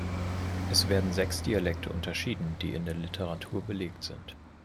Es werden sechs Dialekte unterschieden, die in der Literatur belegt sind.